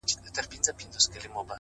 اوس مي د هغي دنيا ميـر ويـــده دی!